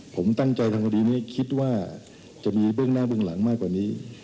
ผมตั้งใจทำคดีนี้คิดว่าจะมีเบื้องหน้าเบื้องหลังมากกว่านี้